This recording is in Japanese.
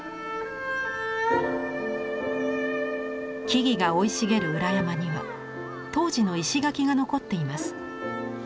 木々が生い茂る裏山には当時の石垣が残っています。